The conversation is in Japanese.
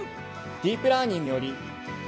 ディープラーニングにより。